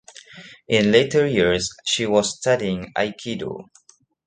In later years she was studying Aikido.